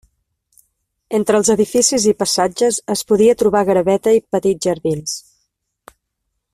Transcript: Entre els edificis i passatges es podia trobar graveta i petits jardins.